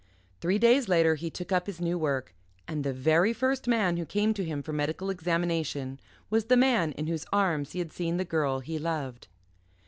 Three days later he took up his new work. And the very first man who came to him for medical examination was the man in whose arms he had seen the girl he loved.